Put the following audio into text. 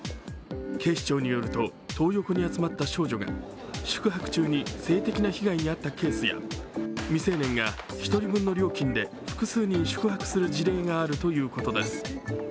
警視庁によると、トー横に集まった少女が宿泊中に性的な被害に遭ったケースや未成年が１人分の料金で複数人宿泊する事例があるということです。